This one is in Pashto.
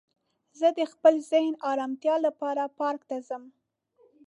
زه د خپل ذهن ارامتیا لپاره پارک ته ځم